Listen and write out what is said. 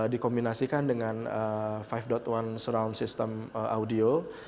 dikombinasikan dengan lima satu surround system audio